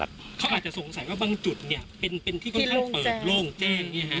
เขาอาจจะสงสัยว่าบางจุดเป็นที่ค่อนข้างเปิดโล่งแจ้ง